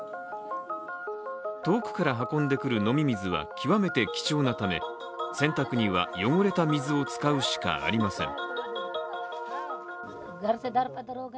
遠くから運んでくる飲み水は極めて貴重なため洗濯には汚れた水を使うしかありません。